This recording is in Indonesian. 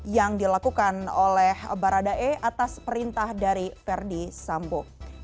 yang dilakukan oleh baradae atas perintah dari verdi sambo